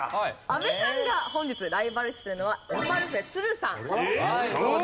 阿部さんが本日ライバル視するのはラパルフェ都留さん。